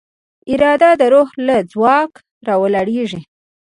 اراده د روح له ځواک راولاړېږي.